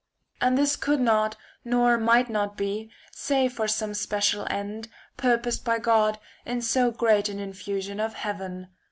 And this could not nor might not be, *^o™c save for some special end, purposed by God in so great an infusion of heaven.